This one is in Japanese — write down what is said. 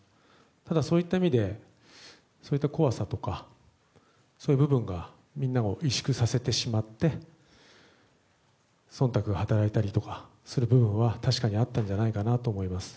ただ、そういった意味でそういった怖さとかそういう部分がみんなを委縮させてしまって忖度が働いたりとかする部分は確かにあったんじゃないかなと思います。